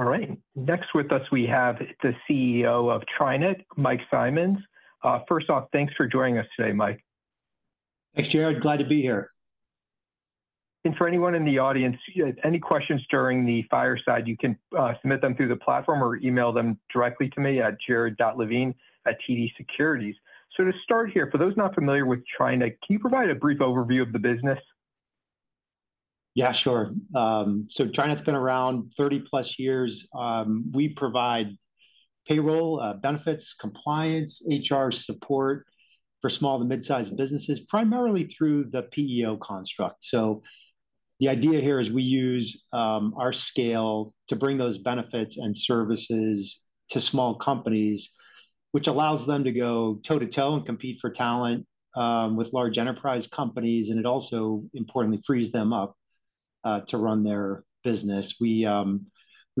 All right. Next with us, we have the CEO of TriNet, Mike Simonds. First off, thanks for joining us today, Mike. Thanks, Jared. Glad to be here. For anyone in the audience, any questions during the fireside, you can submit them through the platform or email them directly to me at jared.levine@tdsecurities. To start here, for those not familiar with TriNet, can you provide a brief overview of the business? Yeah, sure. So TriNet's been around 30-plus years. We provide payroll, benefits, compliance, HR support for small to mid-sized businesses, primarily through the PEO construct. So the idea here is we use our scale to bring those benefits and services to small companies, which allows them to go toe-to-toe and compete for talent with large enterprise companies. And it also, importantly, frees them up to run their business. We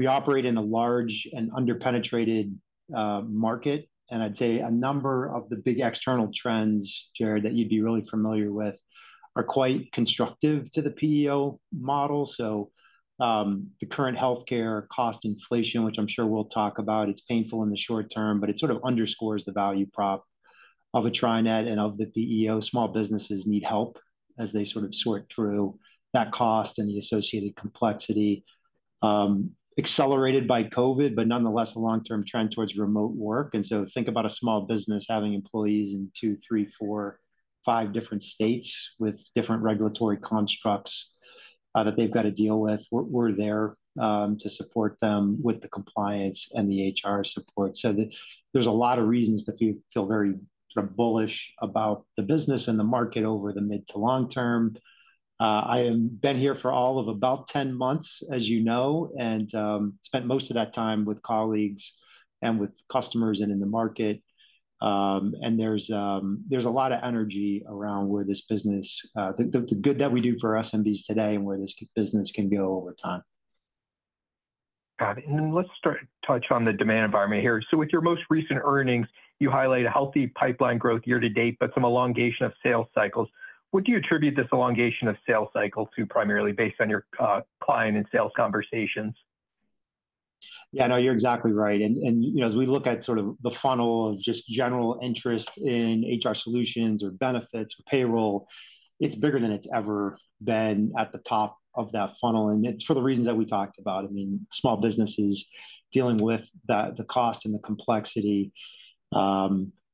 operate in a large and under-penetrated market. And I'd say a number of the big external trends, Jared, that you'd be really familiar with are quite constructive to the PEO model. So the current healthcare cost inflation, which I'm sure we'll talk about, it's painful in the short term, but it sort of underscores the value prop of a TriNet and of the PEO. Small businesses need help as they sort of sort through that cost and the associated complexity, accelerated by COVID, but nonetheless, a long-term trend towards remote work, and so think about a small business having employees in two, three, four, five different states with different regulatory constructs that they've got to deal with. We're there to support them with the compliance and the HR support, so there's a lot of reasons to feel very bullish about the business and the market over the mid to long term. I have been here for all of about 10 months, as you know, and spent most of that time with colleagues and with customers and in the market, and there's a lot of energy around where this business, the good that we do for SMBs today and where this business can go over time. Got it. And then let's touch on the demand environment here. So with your most recent earnings, you highlight a healthy pipeline growth year-to-date, but some elongation of sales cycles. Would you attribute this elongation of sales cycle to primarily based on your client and sales conversations? Yeah, no, you're exactly right and as we look at sort of the funnel of just general interest in HR solutions or benefits or payroll, it's bigger than it's ever been at the top of that funnel and it's for the reasons that we talked about. I mean, small businesses dealing with the cost and the complexity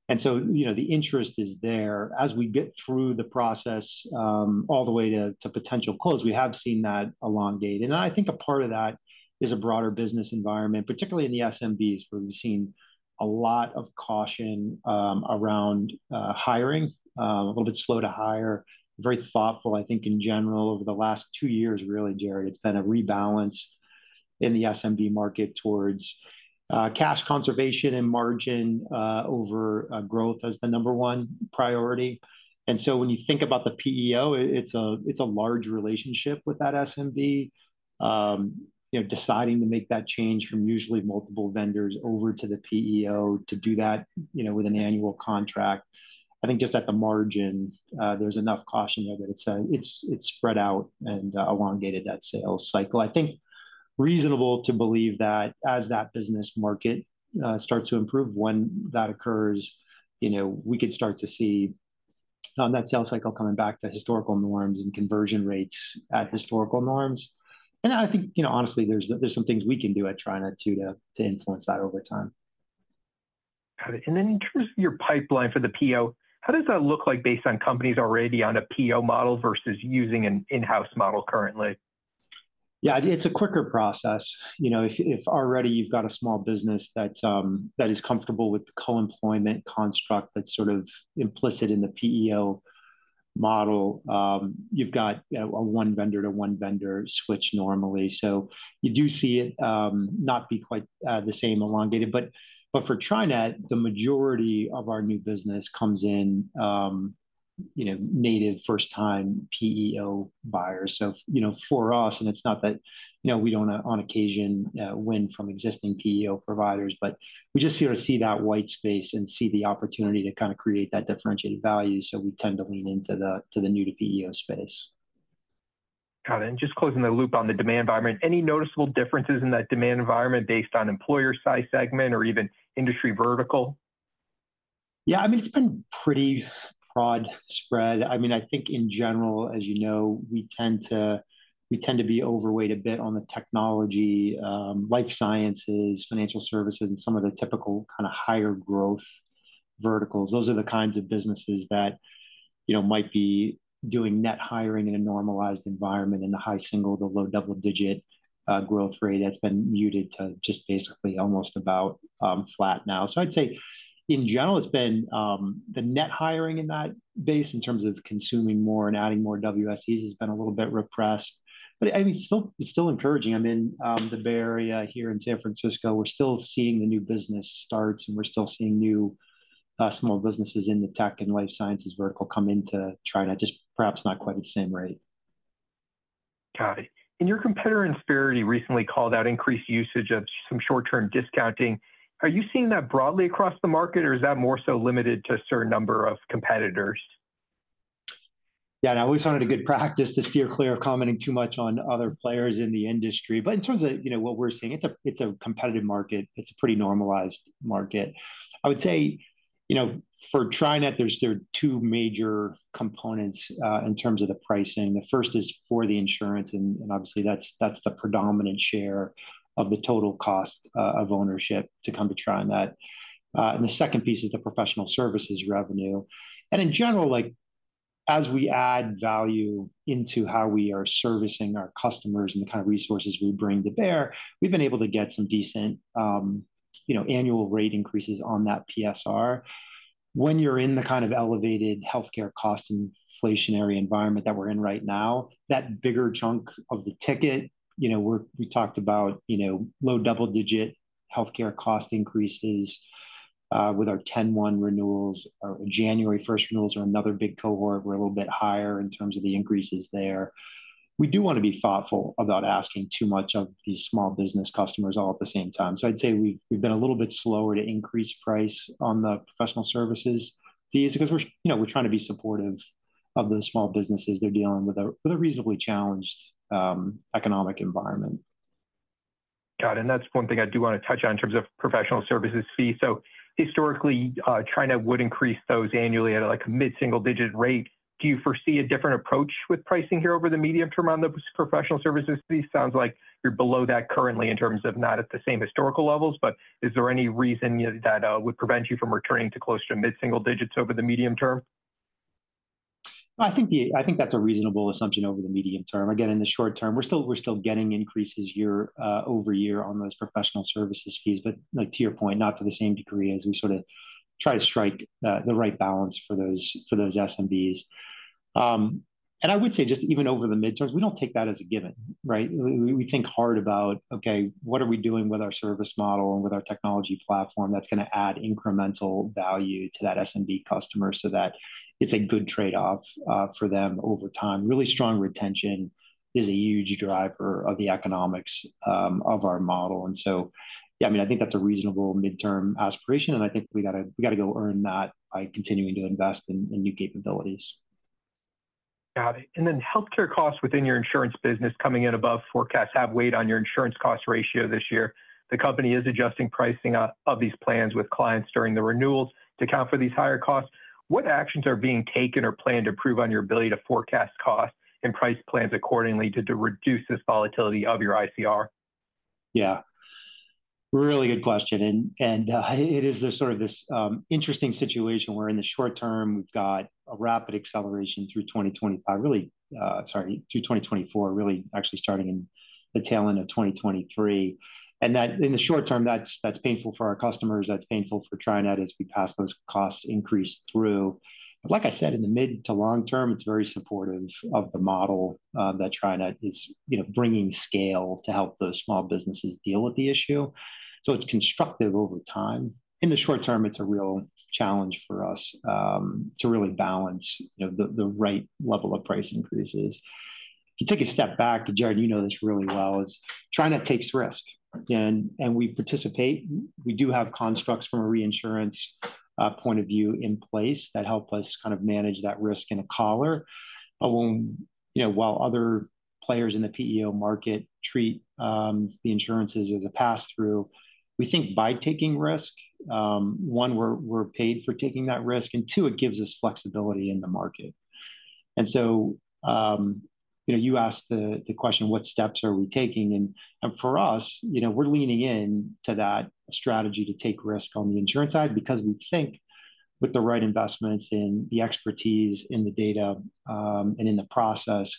and so the interest is there. As we get through the process all the way to potential close, we have seen that elongate and I think a part of that is a broader business environment, particularly in the SMBs, where we've seen a lot of caution around hiring, a little bit slow to hire, very thoughtful, I think, in general. Over the last two years, really, Jared, it's been a rebalance in the SMB market towards cash conservation and margin over growth as the number one priority. And so when you think about the PEO, it's a large relationship with that SMB deciding to make that change from usually multiple vendors over to the PEO to do that with an annual contract. I think just at the margin, there's enough caution there that it's spread out and elongated that sales cycle. I think reasonable to believe that as that business market starts to improve, when that occurs, we could start to see that sales cycle coming back to historical norms and conversion rates at historical norms. And I think, honestly, there's some things we can do at TriNet too to influence that over time. Got it. And then in terms of your pipeline for the PEO, how does that look like based on companies already on a PEO model versus using an in-house model currently? Yeah, it's a quicker process. If already you've got a small business that is comfortable with the co-employment construct that's sort of implicit in the PEO model, you've got a one vendor to one vendor switch normally. So you do see it not be quite the same elongated. But for TriNet, the majority of our new business comes in native first-time PEO buyers. So for us, and it's not that we don't on occasion win from existing PEO providers, but we just sort of see that white space and see the opportunity to kind of create that differentiated value. So we tend to lean into the new-to-PEO space. Got it. And just closing the loop on the demand environment, any noticeable differences in that demand environment based on employer size segment or even industry vertical? Yeah, I mean, it's been pretty broad spread. I mean, I think in general, as you know, we tend to be overweight a bit on the technology, life sciences, financial services, and some of the typical kind of higher growth verticals. Those are the kinds of businesses that might be doing net hiring in a normalized environment in the high single, the low double-digit growth rate that's been muted to just basically almost about flat now. So I'd say in general, it's been the net hiring in that base in terms of consuming more and adding more WSEs has been a little bit repressed. But I mean, it's still encouraging. I mean, the Bay Area here in San Francisco, we're still seeing the new business starts, and we're still seeing new small businesses in the tech and life sciences vertical come into TriNet, just perhaps not quite at the same rate. Got it. And your competitor Insperity recently called out increased usage of some short-term discounting. Are you seeing that broadly across the market, or is that more so limited to a certain number of competitors? Yeah, and I always wanted a good practice to steer clear of commenting too much on other players in the industry. But in terms of what we're seeing, it's a competitive market. It's a pretty normalized market. I would say for TriNet, there are two major components in terms of the pricing. The first is for the insurance, and obviously, that's the predominant share of the total cost of ownership to come to TriNet. And the second piece is the professional services revenue. And in general, as we add value into how we are servicing our customers and the kind of resources we bring to bear, we've been able to get some decent annual rate increases on that PSR. When you're in the kind of elevated healthcare cost inflationary environment that we're in right now, that bigger chunk of the ticket, we talked about low double-digit healthcare cost increases with our 10-1 renewals or January 1st renewals are another big cohort. We're a little bit higher in terms of the increases there. We do want to be thoughtful about asking too much of these small business customers all at the same time. So I'd say we've been a little bit slower to increase price on the professional services fees because we're trying to be supportive of the small businesses they're dealing with a reasonably challenged economic environment. Got it. And that's one thing I do want to touch on in terms of professional services fee. So historically, TriNet would increase those annually at a mid-single-digit rate. Do you foresee a different approach with pricing here over the medium term on the professional services fee? Sounds like you're below that currently in terms of not at the same historical levels, but is there any reason that would prevent you from returning to close to mid-single-digits over the medium term? I think that's a reasonable assumption over the medium term. Again, in the short term, we're still getting increases year over year on those professional services fees, but to your point, not to the same degree as we sort of try to strike the right balance for those SMBs. And I would say just even over the mid-term, we don't take that as a given, right? We think hard about, okay, what are we doing with our service model and with our technology platform that's going to add incremental value to that SMB customer so that it's a good trade-off for them over time. Really strong retention is a huge driver of the economics of our model. And so, yeah, I mean, I think that's a reasonable midterm aspiration, and I think we got to go earn that by continuing to invest in new capabilities. Got it. And then healthcare costs within your insurance business coming in above forecasts have weighed on your insurance cost ratio this year. The company is adjusting pricing of these plans with clients during the renewals to account for these higher costs. What actions are being taken or planned to improve on your ability to forecast costs and price plans accordingly to reduce this volatility of your ICR? Yeah, really good question. And it is sort of this interesting situation where in the short term, we've got a rapid acceleration through 2025, really, sorry, through 2024, really actually starting in the tail end of 2023. And in the short term, that's painful for our customers. That's painful for TriNet as we pass those cost increases through. But like I said, in the mid to long term, it's very supportive of the model that TriNet is bringing scale to help those small businesses deal with the issue. So it's constructive over time. In the short term, it's a real challenge for us to really balance the right level of price increases. To take a step back, Jared, you know this really well, as TriNet takes risk. And we participate. We do have constructs from a reinsurance point of view in place that help us kind of manage that risk in a collar. While other players in the PEO market treat the insurances as a pass-through, we think by taking risk, one, we're paid for taking that risk, and two, it gives us flexibility in the market, and so you asked the question, what steps are we taking, and for us, we're leaning into that strategy to take risk on the insurance side because we think with the right investments in the expertise, in the data, and in the process,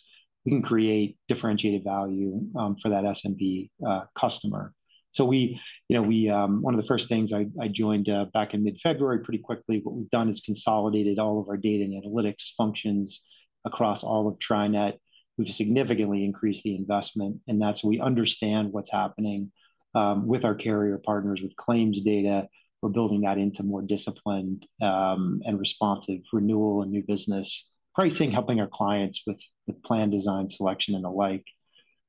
we can create differentiated value for that SMB customer, so one of the first things I joined back in mid-February pretty quickly, what we've done is consolidated all of our data and analytics functions across all of TriNet. We've significantly increased the investment, and that's we understand what's happening with our carrier partners with claims data. We're building that into more disciplined and responsive renewal and new business pricing, helping our clients with plan design selection and the like.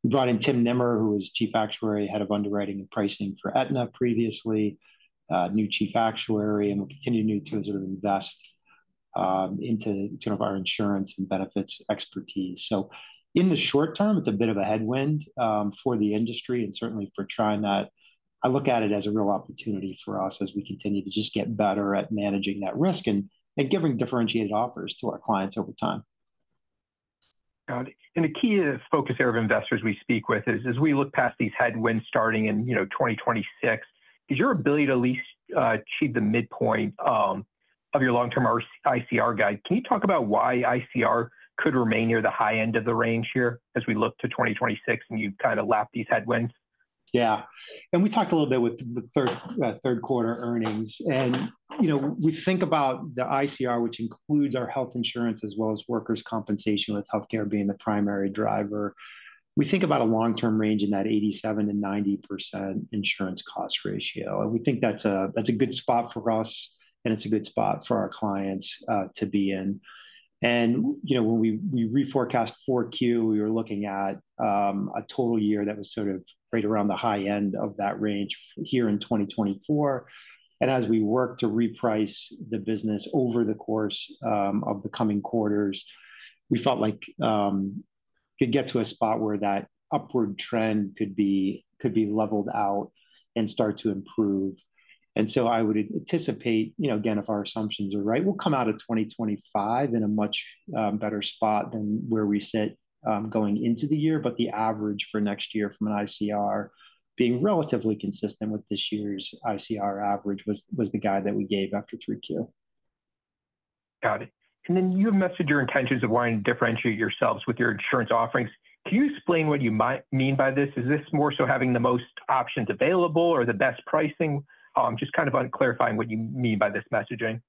We brought in Tim Nimmer, who was Chief Actuary, Head of Underwriting and Pricing for Aetna previously, new Chief Actuary, and we'll continue to sort of invest into our insurance and benefits expertise. So in the short term, it's a bit of a headwind for the industry and certainly for TriNet. I look at it as a real opportunity for us as we continue to just get better at managing that risk and giving differentiated offers to our clients over time. Got it, and a key focus here of investors we speak with is as we look past these headwinds starting in 2026, is your ability to at least achieve the midpoint of your long-term ICR guide. Can you talk about why ICR could remain near the high end of the range here as we look to 2026 and you kind of lap these headwinds? Yeah. We talked a little bit with third-quarter earnings. We think about the ICR, which includes our health insurance as well as workers' compensation with healthcare being the primary driver. We think about a long-term range in that 87%-90% insurance cost ratio. We think that's a good spot for us, and it's a good spot for our clients to be in. When we reforecast Q4, we were looking at a total year that was sort of right around the high end of that range here in 2024. As we work to reprice the business over the course of the coming quarters, we felt like we could get to a spot where that upward trend could be leveled out and start to improve. And so I would anticipate, again, if our assumptions are right, we'll come out of 2025 in a much better spot than where we sit going into the year. But the average for next year from an ICR being relatively consistent with this year's ICR average was the guide that we gave after Q3. Got it. And then you have messaged your intentions of wanting to differentiate yourselves with your insurance offerings. Can you explain what you mean by this? Is this more so having the most options available or the best pricing? Just kind of clarifying what you mean by this messaging.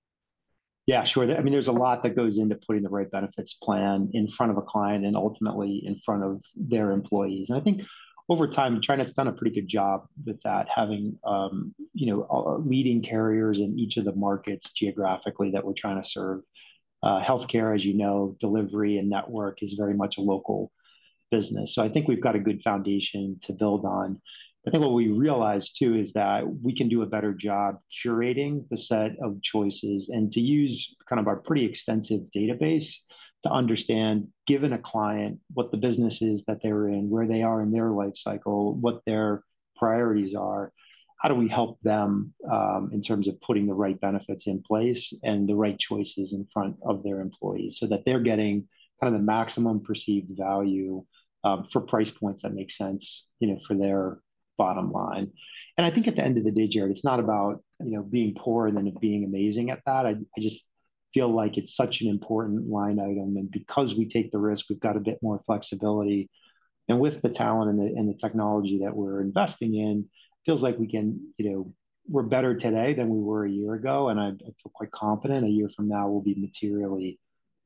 Yeah, sure. I mean, there's a lot that goes into putting the right benefits plan in front of a client and ultimately in front of their employees, and I think over time, TriNet's done a pretty good job with that, having leading carriers in each of the markets geographically that we're trying to serve. Healthcare, as you know, delivery and network is very much a local business, so I think we've got a good foundation to build on. I think what we realized too is that we can do a better job curating the set of choices and to use kind of our pretty extensive database to understand, given a client, what the business is that they're in, where they are in their life cycle, what their priorities are, how do we help them in terms of putting the right benefits in place and the right choices in front of their employees so that they're getting kind of the maximum perceived value for price points that make sense for their bottom line, and I think at the end of the day, Jared, it's not about being poor and then being amazing at that. I just feel like it's such an important line item, and because we take the risk, we've got a bit more flexibility. And with the talent and the technology that we're investing in, it feels like we're better today than we were a year ago. And I feel quite confident a year from now we'll be materially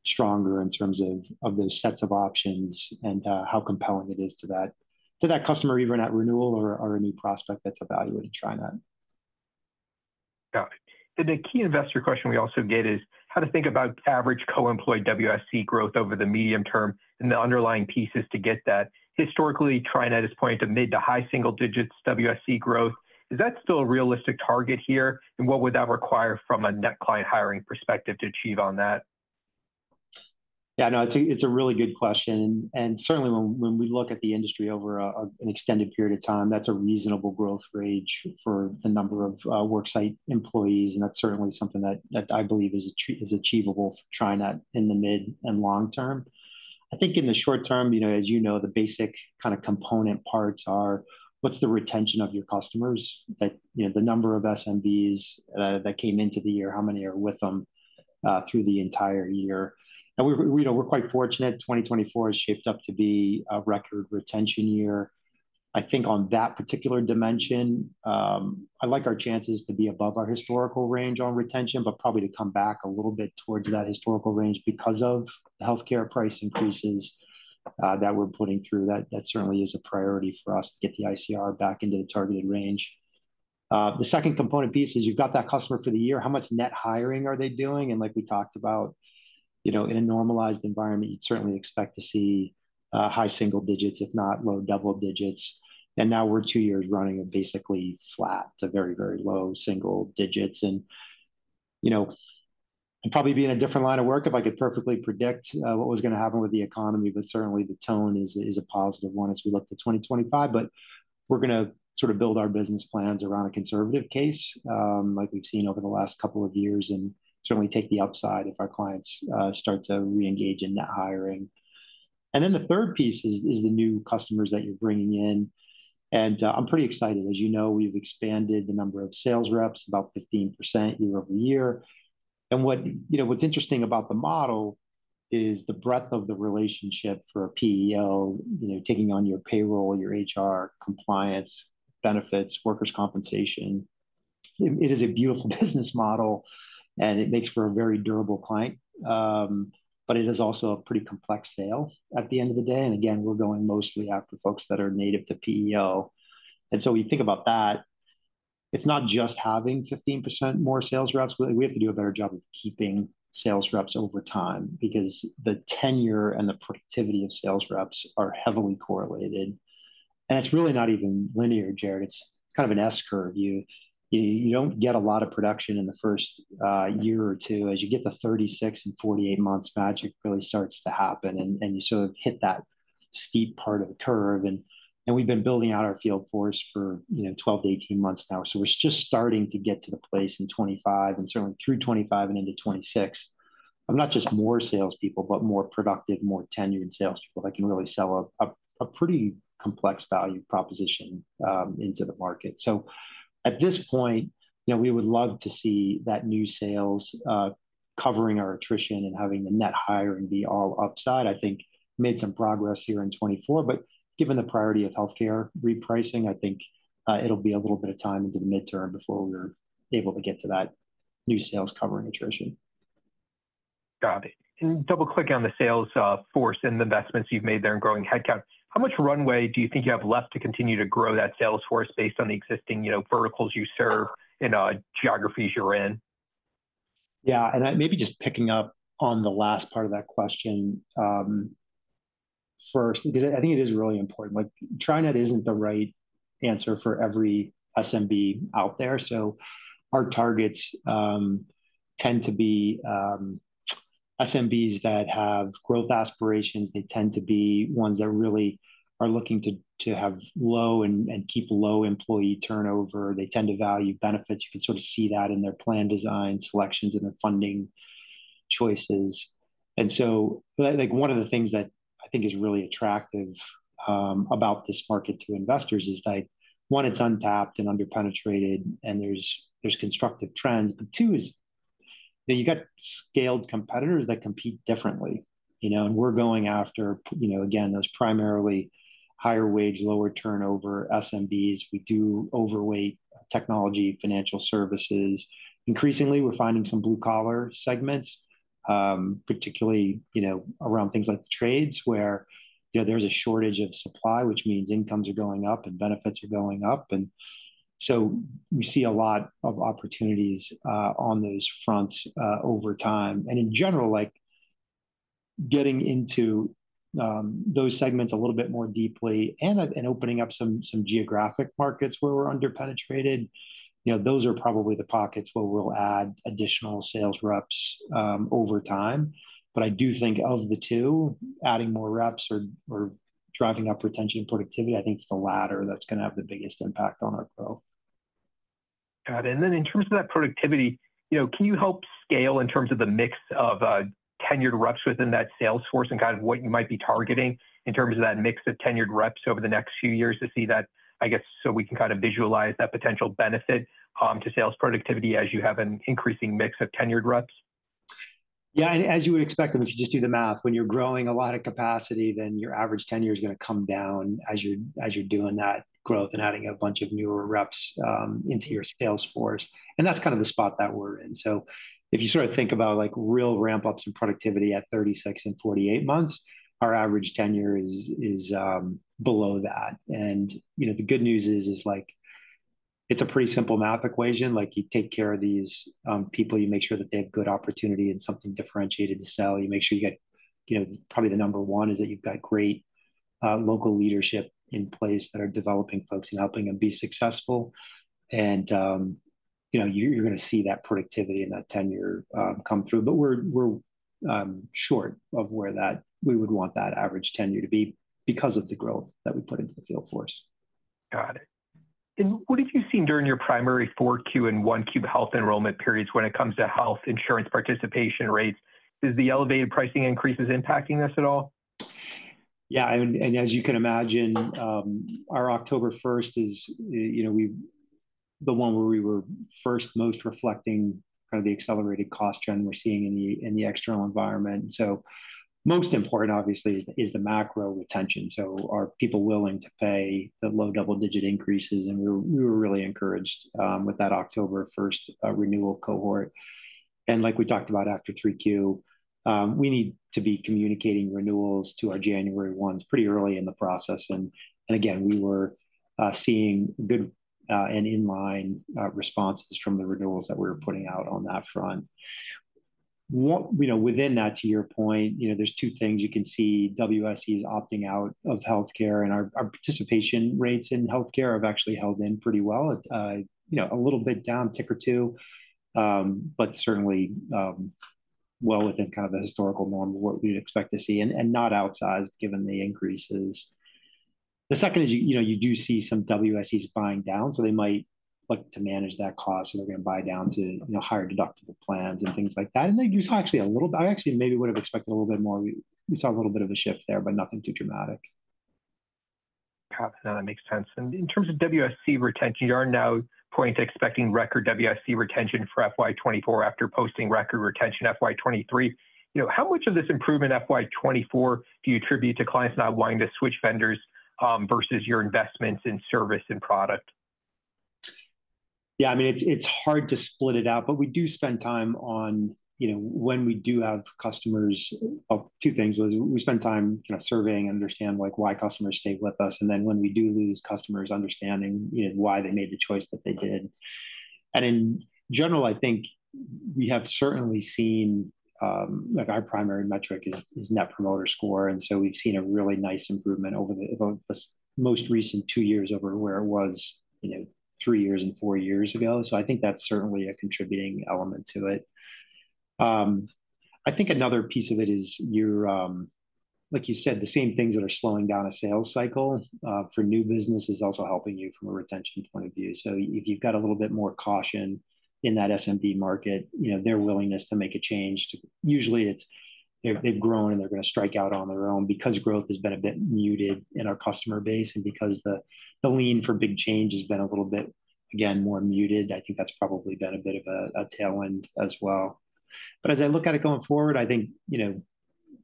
stronger in terms of those sets of options and how compelling it is to that customer even at renewal or a new prospect that's evaluating TriNet. Got it. And the key investor question we also get is how to think about average co-employed WSE growth over the medium term and the underlying pieces to get that. Historically, TriNet is pointing to mid- to high-single-digits WSE growth. Is that still a realistic target here? And what would that require from a net client hiring perspective to achieve on that? Yeah, no, it's a really good question. And certainly, when we look at the industry over an extended period of time, that's a reasonable growth range for the number of worksite employees. And that's certainly something that I believe is achievable for TriNet in the mid and long term. I think in the short term, as you know, the basic kind of component parts are what's the retention of your customers, the number of SMBs that came into the year, how many are with them through the entire year. And we're quite fortunate. 2024 is shaped up to be a record retention year. I think on that particular dimension, I like our chances to be above our historical range on retention, but probably to come back a little bit towards that historical range because of the healthcare price increases that we're putting through. That certainly is a priority for us to get the ICR back into the targeted range. The second component piece is you've got that customer for the year. How much net hiring are they doing? And like we talked about, in a normalized environment, you'd certainly expect to see high single-digits, if not low double digits. And now we're two years running of basically flat to very, very low single-digits. And I'd probably be in a different line of work if I could perfectly predict what was going to happen with the economy, but certainly the tone is a positive one as we look to 2025. But we're going to sort of build our business plans around a conservative case like we've seen over the last couple of years and certainly take the upside if our clients start to reengage in net hiring. And then the third piece is the new customers that you're bringing in. And I'm pretty excited. As you know, we've expanded the number of sales reps about 15% year over year. And what's interesting about the model is the breadth of the relationship for a PEO, taking on your payroll, your HR, compliance, benefits, workers' compensation. It is a beautiful business model, and it makes for a very durable client, but it is also a pretty complex sale at the end of the day. And again, we're going mostly after folks that are native to PEO. And so when you think about that, it's not just having 15% more sales reps. We have to do a better job of keeping sales reps over time because the tenure and the productivity of sales reps are heavily correlated. And it's really not even linear, Jared. It's kind of an S curve. You don't get a lot of production in the first year or two. As you get to 36 and 48 months, magic really starts to happen, and you sort of hit that steep part of the curve, and we've been building out our field force for 12-18 months now, so we're just starting to get to the place in 2025 and certainly through 2025 and into 2026 of not just more salespeople, but more productive, more tenured salespeople that can really sell a pretty complex value proposition into the market, so at this point, we would love to see that new sales covering our attrition and having the net hiring be all upside. I think made some progress here in 2024, but given the priority of healthcare repricing, I think it'll be a little bit of time into the midterm before we're able to get to that new sales covering attrition. Got it. And double-clicking on the sales force and the investments you've made there in growing headcount, how much runway do you think you have left to continue to grow that sales force based on the existing verticals you serve in geographies you're in? Yeah, and maybe just picking up on the last part of that question first, because I think it is really important. TriNet isn't the right answer for every SMB out there. So our targets tend to be SMBs that have growth aspirations. They tend to be ones that really are looking to have low and keep low employee turnover. They tend to value benefits. You can sort of see that in their plan design selections and their funding choices. And so one of the things that I think is really attractive about this market to investors is that, one, it's untapped and underpenetrated, and there's constructive trends. But two, you've got scaled competitors that compete differently. And we're going after, again, those primarily higher wage, lower turnover SMBs. We do overweight technology, financial services. Increasingly, we're finding some blue-collar segments, particularly around things like the trades where there's a shortage of supply, which means incomes are going up and benefits are going up. And so we see a lot of opportunities on those fronts over time. And in general, getting into those segments a little bit more deeply and opening up some geographic markets where we're underpenetrated, those are probably the pockets where we'll add additional sales reps over time. But I do think of the two, adding more reps or driving up retention and productivity, I think it's the latter that's going to have the biggest impact on our growth. Got it. And then in terms of that productivity, can you help scale in terms of the mix of tenured reps within that sales force and kind of what you might be targeting in terms of that mix of tenured reps over the next few years to see that, I guess, so we can kind of visualize that potential benefit to sales productivity as you have an increasing mix of tenured reps? Yeah, and as you would expect if you just do the math, when you're growing a lot of capacity, then your average tenure is going to come down as you're doing that growth and adding a bunch of newer reps into your sales force. And that's kind of the spot that we're in. So if you sort of think about real ramp-ups in productivity at 36 and 48 months, our average tenure is below that. And the good news is it's a pretty simple math equation. You take care of these people, you make sure that they have good opportunity and something differentiated to sell. You make sure you get probably the number one is that you've got great local leadership in place that are developing folks and helping them be successful. And you're going to see that productivity and that tenure come through. But we're short of where we would want that average tenure to be because of the growth that we put into the field force. Got it. And what have you seen during your primary 4Q and 1Q health enrollment periods when it comes to health insurance participation rates? Is the elevated pricing increases impacting this at all? Yeah. And as you can imagine, our October 1st is the one where we were first most reflecting kind of the accelerated cost trend we're seeing in the external environment. So most important, obviously, is the macro retention. So are people willing to pay the low double-digit increases? And we were really encouraged with that October 1st renewal cohort. And like we talked about after Q3, we need to be communicating renewals to our January ones pretty early in the process. And again, we were seeing good and in-line responses from the renewals that we were putting out on that front. Within that, to your point, there's two things you can see. WSE is opting out of healthcare, and our participation rates in healthcare have actually held in pretty well. A little bit down, tick or two, but certainly well within kind of the historical norm of what we'd expect to see and not outsized given the increases. The second is you do see some WSEs buying down, so they might look to manage that cost, so they're going to buy down to higher deductible plans and things like that, and they do actually a little bit. I actually maybe would have expected a little bit more. We saw a little bit of a shift there, but nothing too dramatic. Got it. No, that makes sense. And in terms of WSE retention, you are now pointing to expecting record WSE retention for FY 2024 after posting record retention FY 2023. How much of this improvement FY 2024 do you attribute to clients not wanting to switch vendors versus your investments in service and product? Yeah, I mean, it's hard to split it out, but we do spend time on when we do have customers. Two things was we spend time surveying and understanding why customers stayed with us. And then when we do lose customers, understanding why they made the choice that they did. And in general, I think we have certainly seen our primary metric is Net Promoter Score. And so we've seen a really nice improvement over the most recent two years over where it was three years and four years ago. So I think that's certainly a contributing element to it. I think another piece of it is, like you said, the same things that are slowing down a sales cycle for new business is also helping you from a retention point of view. So if you've got a little bit more caution in that SMB market, their willingness to make a change, usually they've grown and they're going to strike out on their own because growth has been a bit muted in our customer base and because the lean for big change has been a little bit, again, more muted. I think that's probably been a bit of a tailwind as well. But as I look at it going forward, I think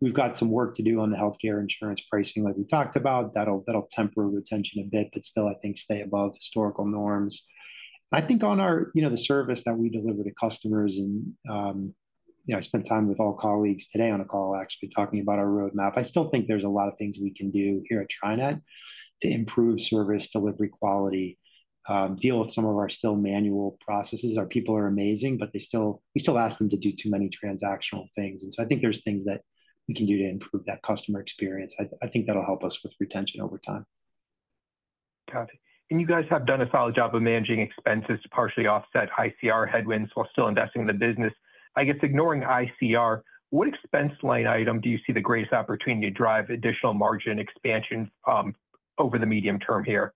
we've got some work to do on the healthcare insurance pricing like we talked about. That'll temper retention a bit, but still, I think stay above historical norms. I think on the service that we deliver to customers, and I spent time with all colleagues today on a call, actually talking about our roadmap. I still think there's a lot of things we can do here at TriNet to improve service delivery quality, deal with some of our still manual processes. Our people are amazing, but we still ask them to do too many transactional things. And so I think there's things that we can do to improve that customer experience. I think that'll help us with retention over time. Got it. And you guys have done a solid job of managing expenses to partially offset ICR headwinds while still investing in the business. I guess ignoring ICR, what expense line item do you see the greatest opportunity to drive additional margin expansion over the medium term here?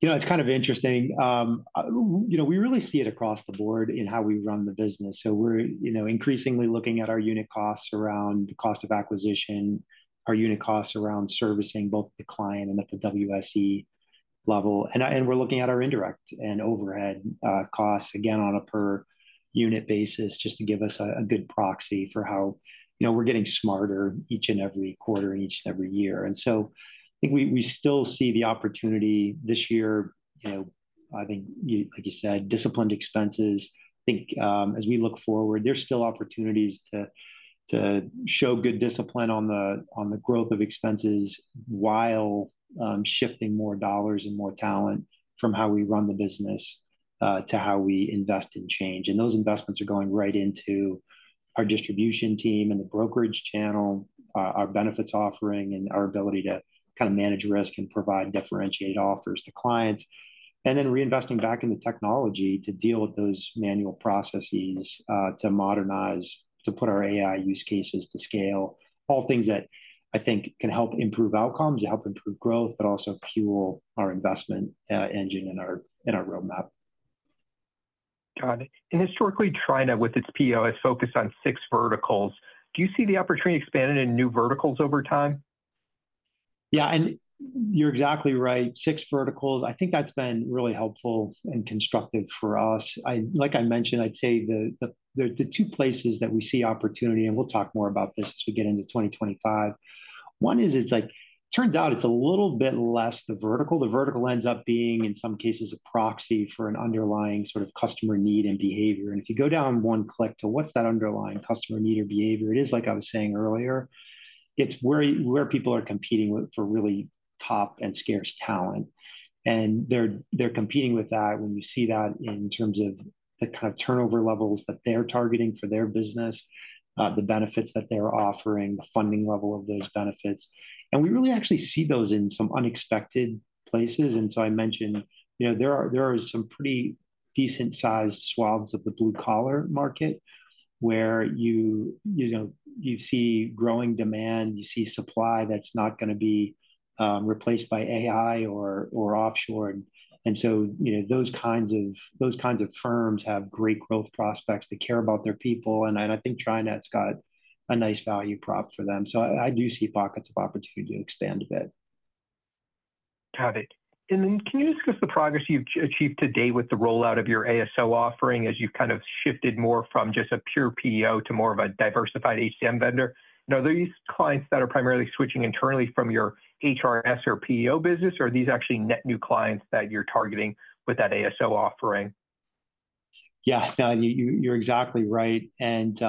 It's kind of interesting. We really see it across the board in how we run the business. So we're increasingly looking at our unit costs around the cost of acquisition, our unit costs around servicing both the client and at the WSE level. And we're looking at our indirect and overhead costs, again, on a per unit basis just to give us a good proxy for how we're getting smarter each and every quarter and each and every year. And so I think we still see the opportunity this year. I think, like you said, disciplined expenses. I think as we look forward, there's still opportunities to show good discipline on the growth of expenses while shifting more dollars and more talent from how we run the business to how we invest in change. And those investments are going right into our distribution team and the brokerage channel, our benefits offering, and our ability to kind of manage risk and provide differentiated offers to clients. And then reinvesting back in the technology to deal with those manual processes to modernize, to put our AI use cases to scale, all things that I think can help improve outcomes, help improve growth, but also fuel our investment engine and our roadmap. Got it. And historically, TriNet with its PEO has focused on six verticals. Do you see the opportunity expanded in new verticals over time? Yeah, and you're exactly right. Six verticals. I think that's been really helpful and constructive for us. Like I mentioned, I'd say the two places that we see opportunity, and we'll talk more about this as we get into 2025. One is it turns out it's a little bit less the vertical. The vertical ends up being, in some cases, a proxy for an underlying sort of customer need and behavior, and if you go down one click to what's that underlying customer need or behavior, it is, like I was saying earlier, it's where people are competing for really top and scarce talent, and they're competing with that when you see that in terms of the kind of turnover levels that they're targeting for their business, the benefits that they're offering, the funding level of those benefits, and we really actually see those in some unexpected places. And so I mentioned there are some pretty decent-sized swaths of the blue-collar market where you see growing demand, you see supply that's not going to be replaced by AI or offshore. And so those kinds of firms have great growth prospects. They care about their people. And I think TriNet's got a nice value prop for them. So I do see pockets of opportunity to expand a bit. Got it. And then can you discuss the progress you've achieved today with the rollout of your ASO offering as you've kind of shifted more from just a pure PEO to more of a diversified HCM vendor? Now, are these clients that are primarily switching internally from your HRIS or PEO business, or are these actually net new clients that you're targeting with that ASO offering? Yeah, no, you're exactly right. And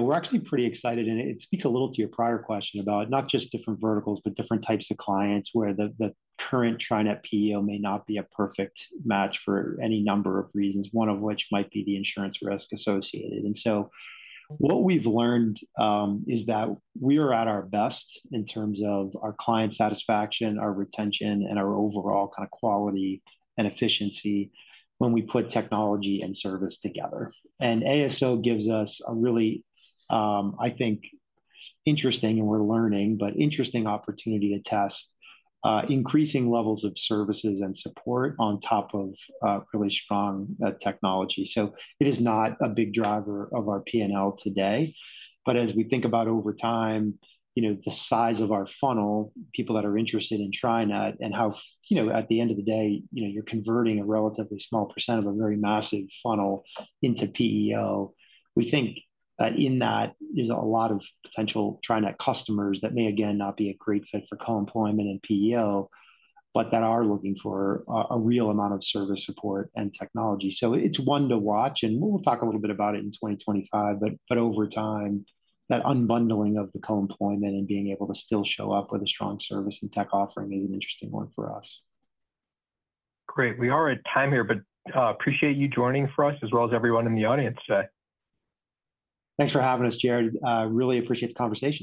we're actually pretty excited. And it speaks a little to your prior question about not just different verticals, but different types of clients where the current TriNet PEO may not be a perfect match for any number of reasons, one of which might be the insurance risk associated. And so what we've learned is that we are at our best in terms of our client satisfaction, our retention, and our overall kind of quality and efficiency when we put technology and service together. And ASO gives us a really, I think, interesting, and we're learning, but interesting opportunity to test increasing levels of services and support on top of really strong technology. So it is not a big driver of our P&L today. But as we think about over time, the size of our funnel, people that are interested in TriNet, and how at the end of the day, you're converting a relatively small % of a very massive funnel into PEO, we think that in that is a lot of potential TriNet customers that may, again, not be a great fit for co-employment and PEO, but that are looking for a real amount of service support and technology. So it's one to watch, and we'll talk a little bit about it in 2025. But over time, that unbundling of the co-employment and being able to still show up with a strong service and tech offering is an interesting one for us. Great. We are at time here, but appreciate you joining for us as well as everyone in the audience today. Thanks for having us, Jared. Really appreciate the conversation.